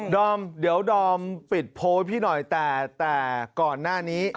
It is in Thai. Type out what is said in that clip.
อมเดี๋ยวดอมปิดโพลพี่หน่อยแต่ก่อนหน้านี้